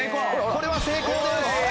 これは成功です。